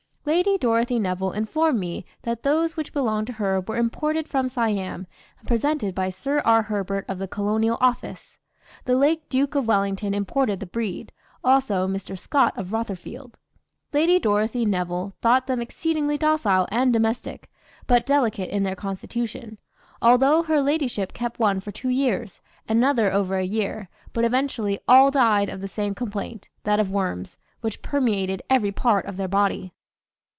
Lady Dorothy Nevill informed me that those which belonged to her were imported from Siam and presented by Sir R. Herbert of the Colonial Office; the late Duke of Wellington imported the breed, also Mr. Scott of Rotherfield. Lady Dorothy Nevill thought them exceedingly docile and domestic, but delicate in their constitution; although her ladyship kept one for two years, another over a year, but eventually all died of the same complaint, that of worms, which permeated every part of their body.